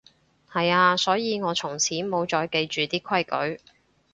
係啊，所以我從此無再記住啲規矩